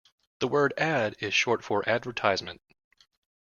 The word ad is short for advertisement